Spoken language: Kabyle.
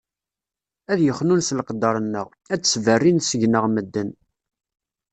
Ad yexnunes leqder-nneɣ, ad d-sberrin seg-neɣ medden.